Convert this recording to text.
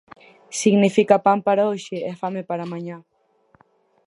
Significa pan para hoxe e fame para mañá.